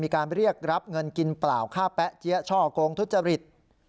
มีการเรียกรับเงินกินเปล่าค่าแป๊ะเจี๊ยช่อกงทุจริต